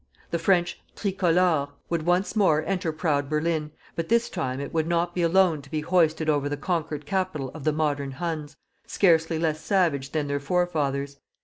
The French "TRICOLORE" would once more enter proud Berlin, but this time it would not be alone to be hoisted over the conquered capital of the modern Huns, scarcely less savage than their forefathers.